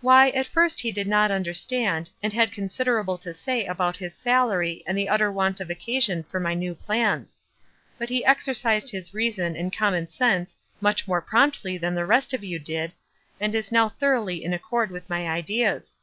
"Why, at first he did not understand, and had considerable to say about his salary and the utter want of occasion for my new plans ; but he exercised his reason and common sense much more promptly than the rest of you did. and is now thoroughly in accord with my ideas."